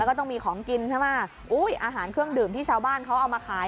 ก็ต้องมีของกินใช่ไหมอุ้ยอาหารเครื่องดื่มที่ชาวบ้านเขาเอามาขาย